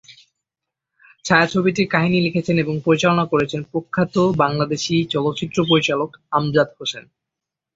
ছায়াছবিটির কাহিনী লিখেছেন এবং পরিচালনা করেছেন প্রখ্যাত বাংলাদেশী চলচ্চিত্র পরিচালক আমজাদ হোসেন।